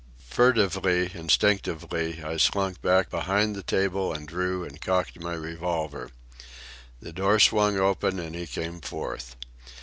Furtively, instinctively, I slunk back behind the table and drew and cocked my revolver. The door swung open and he came forth.